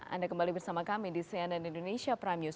anda kembali bersama kami di cnn indonesia prime news